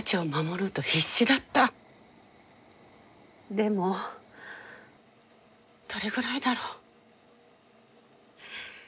でもどれぐらいだろう